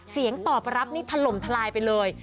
เสียงตอบรับนี่ถล่มทลายไปเลย